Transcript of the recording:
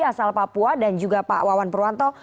asal papua dan juga pak wawan purwanto